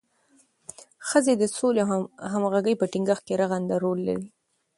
ښځې د سولې او همغږۍ په ټینګښت کې رغنده رول لري.